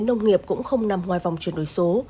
nông nghiệp cũng không nằm ngoài vòng chuyển đổi số